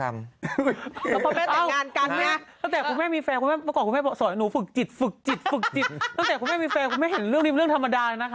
มันก็มันต้องเก็บตั้งนานแบบว่านั้น